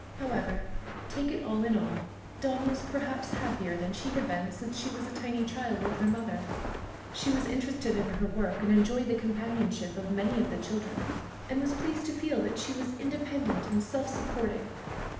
However, take it all in all, Dawn was perhaps happier than she had been since she was a tiny child with her mother. She was interested in her work, enjoyed the companionship of many of the children, and was pleased to feel that she was independent and self supporting.